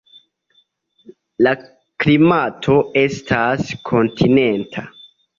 La klimato estas kontinenta.